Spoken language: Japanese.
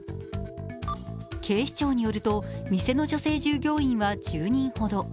警視庁によると、店の女性従業員は１０人ほど。